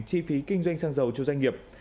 chi phí kinh doanh sang giàu cho doanh nghiệp